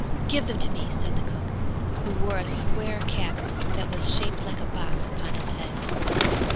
"Give them to me," said the cook, who wore a square cap, that was shaped like a box, upon his head.